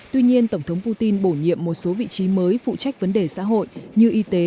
tuy nhiên tổng thống putin bổ nhiệm một số vị trí mới phụ trách vấn đề xã hội như y tế